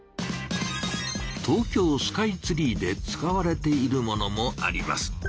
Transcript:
東京スカイツリーで使われているものもあります。